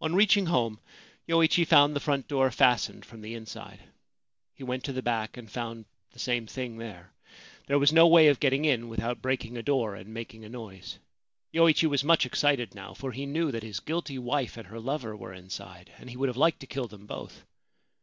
On reaching home Yoichi found the front door fastened from the inside. He went to the back, and found the same thing there. There was no way of getting in without breaking a door and making a noise. Yoichi was much excited now ; for he knew that his guilty wife and her lover were inside, and he would have liked to kill them both.